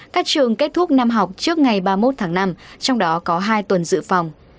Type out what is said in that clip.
các trường kết thúc năm học trước ngày ba mươi một tháng năm trong đó có hai tuần dự phòng